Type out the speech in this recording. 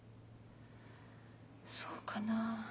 そうかな。